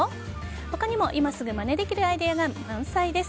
他にも今すぐまねできるアイデアが満載です。